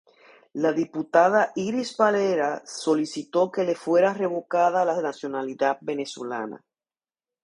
La diputada Iris Varela solicitó que le fuera revocada la nacionalidad venezolana.